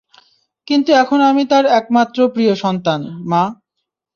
কিন্তু এখন আমি তার একমাত্র প্রিয় সন্তান, মা।